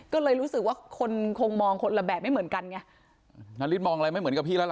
ก็เลยรู้สึกว่าคนคงมองคนละแบบไม่เหมือนกันไงนาริสมองอะไรไม่เหมือนกับพี่แล้วล่ะ